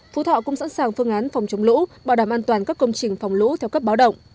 phú thọ cũng sẵn sàng phương án phòng chống lũ bảo đảm an toàn các công trình phòng lũ theo cấp báo động